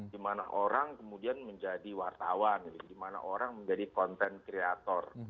dimana orang kemudian menjadi wartawan di mana orang menjadi content creator